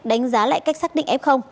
đánh giá lại cách xác định f